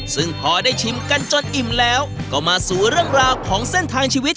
ซึ่งพอได้ชิมกันจนอิ่มแล้วก็มาสู่เรื่องราวของเส้นทางชีวิต